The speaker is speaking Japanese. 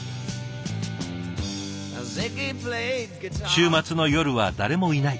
週末の夜は誰もいない。